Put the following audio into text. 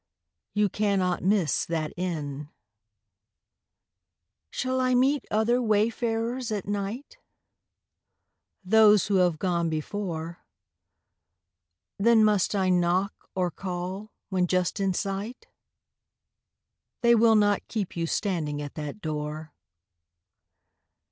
You cannot miss that inn. Shall I meet other wayfarers at night? Those who have gone before. Then must I knock, or call when just in sight? They will not keep you standing at that door.